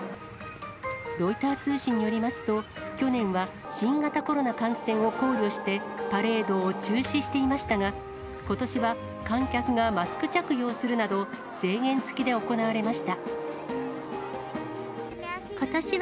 ロイター通信によりますと、去年は新型コロナ感染を考慮して、パレードを中止していましたが、ことしは観客がマスク着用するなど、制限付きで行われました。